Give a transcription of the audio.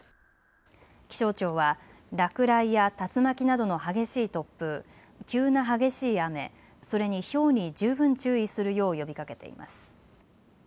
気象庁は落雷や竜巻などの激しい突風、急な激しい雨、それにひょうに十分注意するよう呼びかけています。